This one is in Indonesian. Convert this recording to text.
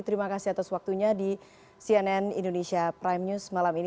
terima kasih atas waktunya di cnn indonesia prime news malam ini